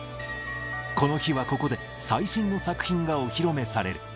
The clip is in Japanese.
この日はここで、最新の作品がお披露目される。